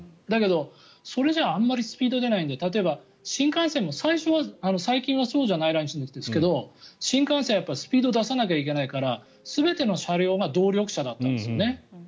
だけどそれじゃあんまりスピードが出ないので例えば新幹線も、最近はそうじゃないらしいんですけど新幹線、スピードを出さないといけないから全ての車両が動力車だったんですよね。